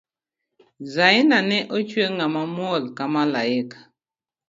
Zaina ne ochwe ng'ama muol ka maliaka